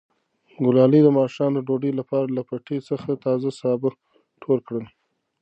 ګلالۍ د ماښام د ډوډۍ لپاره له پټي څخه تازه سابه ټول کړل.